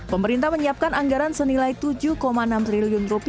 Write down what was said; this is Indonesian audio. pemerintah menyiapkan anggaran senilai rp tujuh enam triliun